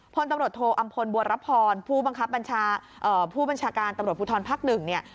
พลตำรวจโทอำพลบัวรับพรผู้บัญชาการตำรวจภูทรภักดิ์๑